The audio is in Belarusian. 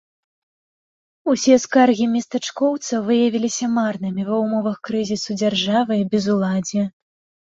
Усе скаргі местачкоўцаў выявіліся марнымі ва ўмовах крызісу дзяржавы і безуладдзя.